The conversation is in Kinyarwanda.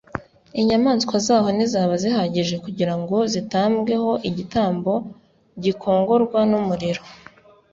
inyamaswa zaho ntizaba zihagije kugira ngo zitambwe ho igitambo gikongorwa n'umuriro